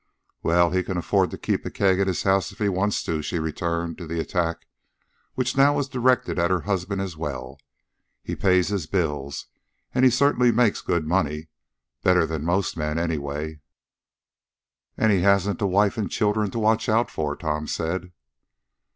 "Well, he can afford to keep a keg in the house if he wants to," she returned to the attack, which now was directed at her husband as well. "He pays his bills, and he certainly makes good money better than most men, anyway." "An' he hasn't a wife an' children to watch out for," Tom said.